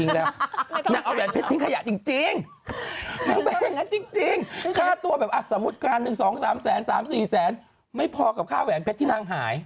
แนะอาหว่าแหวนเพชรทิ้งขยะจริง